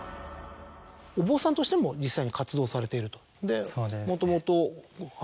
お坊さんとしても実際に活動されていると。